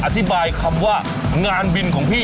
อธิบายคำว่างานบินของพี่